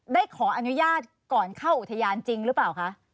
ได้ขออนุญาตก่อนเข้าอุทยานจริงหรือเปล่าคะ